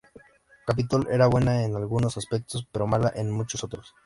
Capitol era buena en algunos aspectos, pero mala en muchos otros.